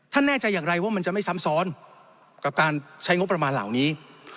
แน่ใจอย่างไรว่ามันจะไม่ซ้ำซ้อนกับการใช้งบประมาณเหล่านี้